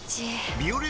「ビオレ」